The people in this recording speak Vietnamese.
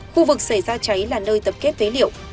khu vực xảy ra cháy là nơi tập kết phế liệu